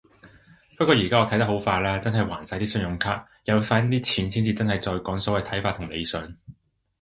不過依家我睇得好化啦，真係還晒啲信用卡。有返啲錢先至真係再講所謂睇法同理想